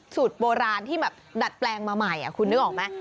สูตรโบราณที่แบบดัดแปลงมาใหม่คุณนึกออกไหม